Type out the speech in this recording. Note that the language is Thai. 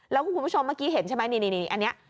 แล้วคุณผู้ชมเมื่อกี้เห็นใช่ไหมนี่อันนี้